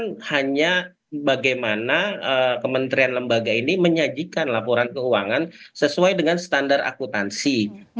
bukan hanya bagaimana kementerian lembaga ini menyajikan laporan keuangan sesuai dengan standar akutansi